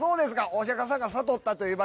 お釈迦さんが悟ったという場所の。